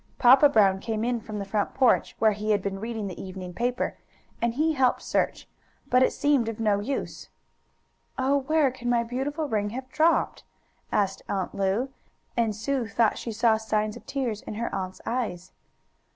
Papa Brown came in from the front porch, where he had been reading the evening paper, and he helped search, but it seemed of no use. "Oh, where can my beautiful ring have dropped?" asked Aunt Lu, and Sue thought she saw signs of tears in her aunt's eyes.